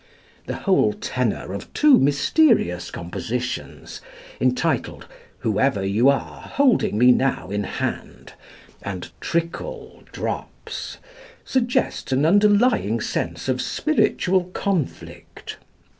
The whole tenor of two mysterious compositions, entitled "Whoever you are, Holding me now in Hand," and "Trickle, Drops," suggests an underlying sense of spiritual conflict.